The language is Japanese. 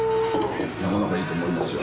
なかなかいいと思いますよ。